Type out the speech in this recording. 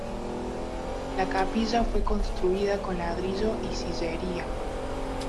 La capilla fue construida con ladrillo y sillería.